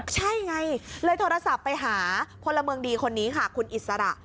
ใช่ไงเลยโทรศัพท์ไปหาพลเมืองดีคนนี้ค่ะคุณอิสระ